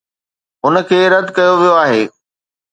ان کي رد ڪيو ويو آهي.